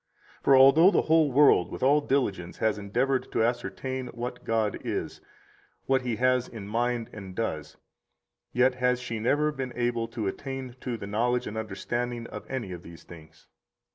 For although the whole world with all diligence has endeavored to ascertain what God is, what He has in mind and does, yet has she never been able to attain to [the knowledge and understanding of] any of these things.